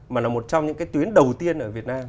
mà là một trong những cái tuyến đầu tiên ở việt nam